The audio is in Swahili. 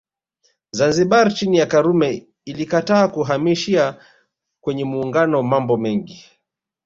Zanzibar chini ya Karume ilikataa kuhamishia kwenye Muungano mambo mengi